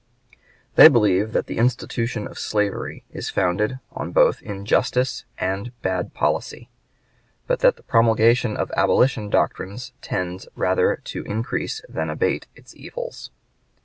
They believe that the institution of slavery is founded on both injustice and bad policy, but that the promulgation of abolition doctrines tends rather to increase than abate its evils.